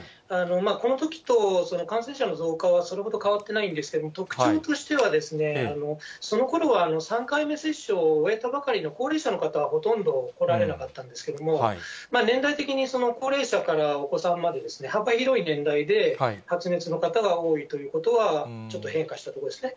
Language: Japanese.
このときと感染者の増加はそれほど変わってないんですけども、特徴としては、そのころは３回目接種を終えたばかりの高齢者の方は、ほとんどおられなかったんですけれども、年代的に高齢者からお子さんまで、幅広い年代で発熱の方が多いということはちょっと変化したところですね。